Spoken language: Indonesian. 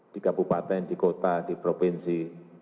di kabupaten di kota di provinsi